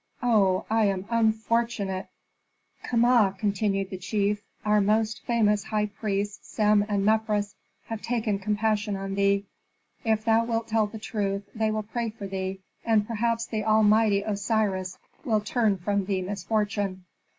Oh, I am unfortunate!" "Kama," continued the chief, "our most famous high priests, Sem and Mefres, have taken compassion on thee. If thou wilt tell the truth, they will pray for thee, and perhaps the all mighty Osiris will turn from thee misfortune.